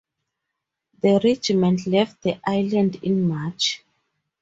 The regiment left the island in March.